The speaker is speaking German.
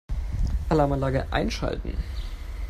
Alarmanlage einschalten.